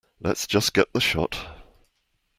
Lets just get the shot.